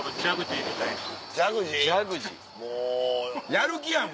やる気やん！